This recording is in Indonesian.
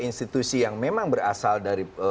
institusi yang memang berasal dari